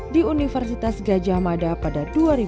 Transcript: di universitas gajah mada pada dua ribu delapan belas